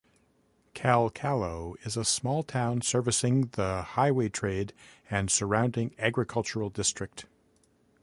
Kalkallo is a small town servicing the highway trade and surrounding agricultural district.